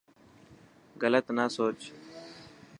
گلت نا سوچ.